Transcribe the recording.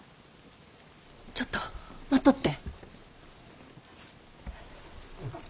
ちょっと待っとって。